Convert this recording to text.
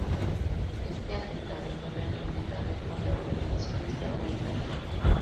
Este atentado fue reivindicado por la organización Estado Islámico.